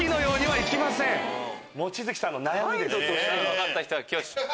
分かった人は挙手。